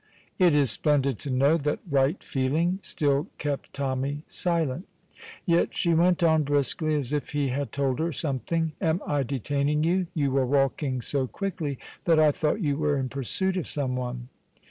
It is splendid to know that right feeling still kept Tommy silent. Yet she went on briskly as if he had told her something: "Am I detaining you? You were walking so quickly that I thought you were in pursuit of someone."